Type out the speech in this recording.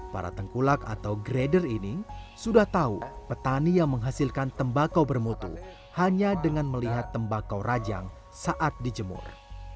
para tengkulak atau grader ini sudah tahu petani yang menghasilkan tembakau bermutu hanya dengan melihat tembakau rajang saat dijemur